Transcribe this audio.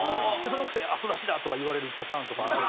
そのくせ「あと出しだ」とか言われるパターンとかある。